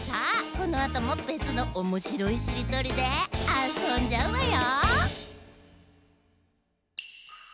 このあともべつのおもしろいしりとりであそんじゃうわよ。